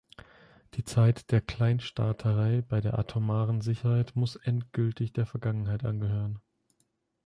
Die Zeit der Kleinstaaterei bei der atomaren Sicherheit muss endgültig der Vergangenheit angehören.